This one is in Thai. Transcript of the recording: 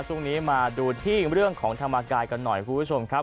ช่วงนี้มาดูที่เรื่องของธรรมกายกันหน่อยคุณผู้ชมครับ